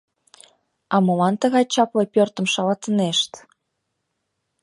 — А молан тыгай чапле пӧртым шалатынешт?